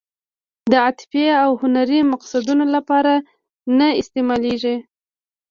د عاطفي او هنري مقصدونو لپاره نه استعمالېږي.